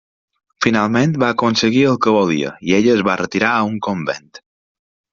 Finalment va aconseguir el que volia i ella es va retirar a un convent.